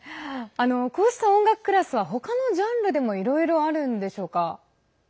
こうした音楽クラスは他のジャンルでもいろいろあるんでしょうか？